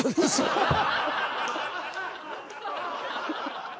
ハハハハハ！